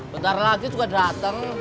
bentar lagi juga dateng